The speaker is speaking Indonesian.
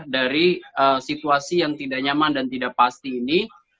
dari situasi yang tidak nyaman dan tidak pasti ini